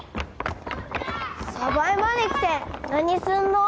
鯖江まで来て何すんの？